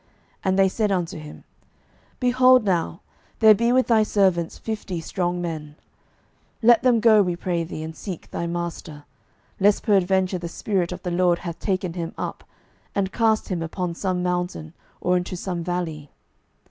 12:002:016 And they said unto him, Behold now, there be with thy servants fifty strong men; let them go, we pray thee, and seek thy master: lest peradventure the Spirit of the LORD hath taken him up, and cast him upon some mountain, or into some valley.